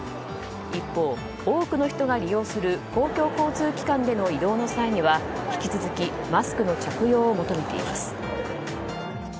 一方、多くの人が利用する公共交通機関での移動の際には、引き続きマスクの着用を求めています。